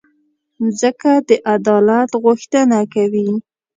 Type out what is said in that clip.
مځکه د عدالت غوښتنه کوي.